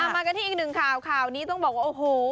มากันที่อีกหนึ่งข่าวข่าวนี้ต้องบอกว่าโอ้โห